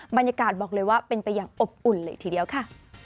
บรรยากาศบอกเลยว่าเป็นไปอย่างอบอุ่นเลยทีเดียวค่ะ